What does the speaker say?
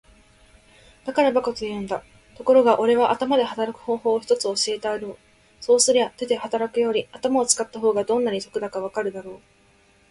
「だから馬鹿と言うんだ。ところがおれは頭で働く方法を一つ教えてやろう。そうすりゃ手で働くより頭を使った方がどんなに得だかわかるだろう。」